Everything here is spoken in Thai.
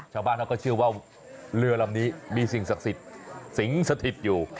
ชาวบ้านเขาก็เชื่อว่าเรือลำนี้มีสิ่งศักดิ์สิทธิ์สิงสถิตอยู่